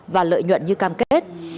và lợi nhuận như cam kết